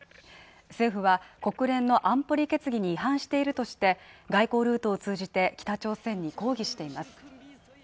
政府は国連の安保理決議に違反しているとして外交ルートを通じて北朝鮮に抗議しています。